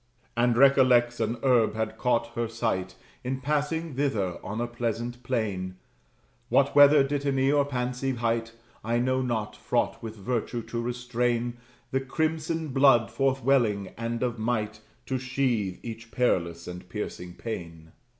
And recollects an herb had caught her sight In passing thither, on a pleasant plain: What (whether dittany or pancy hight) I know not; fraught with virtue to restrain The crimson blood forth welling, and of might To sheathe each perilous and piercing pain.